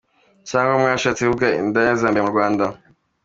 cg mwashatse kuvuga indaya zambere mu Rwanda?.